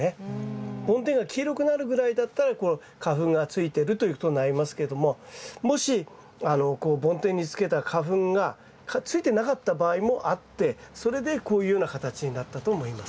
梵天が黄色くなるぐらいだったら花粉がついてるということになりますけどももしこう梵天につけた花粉がついてなかった場合もあってそれでこういうような形になったと思います。